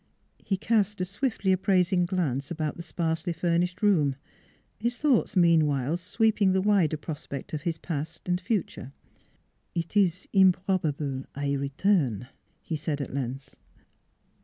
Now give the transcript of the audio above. He cast a swiftly appraising glance about the sparsely furnished room, his thoughts, mean while, sweeping the wider prospect of his past and future. " Eet ees improbable I return," he said at length.